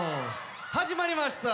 始まりました。